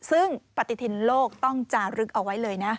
ซึ่งปฏิทินโลกต้องจารึกเอาไว้เลยนะ